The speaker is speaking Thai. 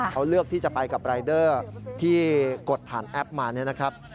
เขาเลือกที่จะไปกับรายเดอร์ที่กดผ่านแอปมาเนี่ยนะครับ